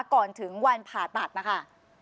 ก่อนถึงวันผ่าตัดนะคะ